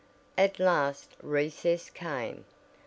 At last recess came.